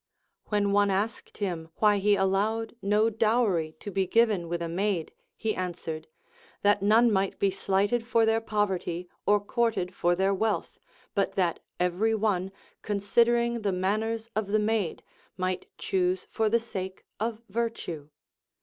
When one asked him why he allowed no dowry to be given with a maid, he answered, that none might be slighted for their poverty or courted for their wealth, but that every one, considering the manners of the maid, might choose for the sake of virtue.